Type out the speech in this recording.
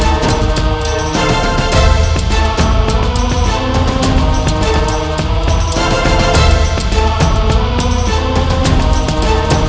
apa yang dilakukan